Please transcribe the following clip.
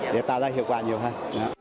để tạo ra hiệu quả nhiều hơn